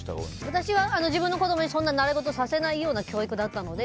私は自分の子供にそんな習い事をさせないような教育だったので。